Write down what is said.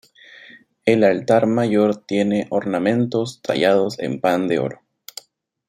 El altar mayor tiene ornamentos tallados en pan de oro.